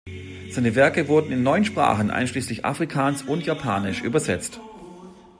Seine Werke wurden in neun Sprachen, einschließlich Afrikaans und Japanisch, übersetzt.